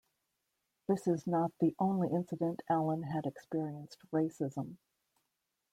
This is not the only incident Allen had experienced racism.